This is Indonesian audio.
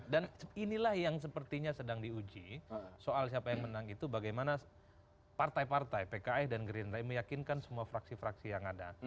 inilah yang sepertinya sedang diuji soal siapa yang menang itu bagaimana partai partai pks dan gerindra meyakinkan semua fraksi fraksi yang ada